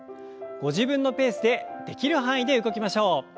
ご自分のペースでできる範囲で動きましょう。